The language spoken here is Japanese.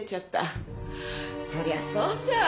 そりゃそうさ。